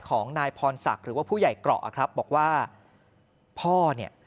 ของนายพรศักดิ์หรือว่าผู้ใหญ่เกราะครับบอกว่าพ่อเนี่ย